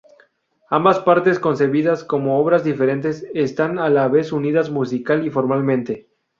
Ambas partes, concebidas como obras diferentes, están a la vez unidas musical y formalmente.